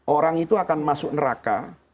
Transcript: orang itu akan masuk neraka